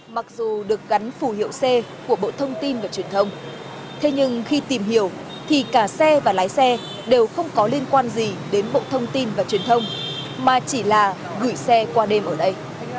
mặc dù được gắn phù hiệu c của bộ thông tin và truyền thông thế nhưng khi tìm hiểu thì cả xe và lái xe đều không có liên quan gì đến bộ thông tin và truyền thông mà chỉ là gửi xe qua đêm ở đây